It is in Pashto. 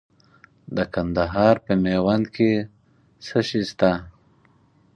د کندهار په میوند کې څه شی شته؟